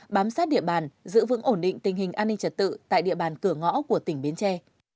bám sát địa bàn giữ vững ổn định tình hình an ninh trật tự tại địa bàn cửa ngõ của tỉnh bến tre